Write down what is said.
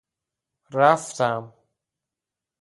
رفتم